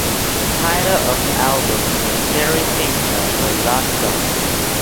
The title of the album was "Seri Cinta" or Love Songs.